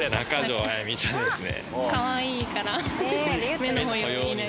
かわいいから。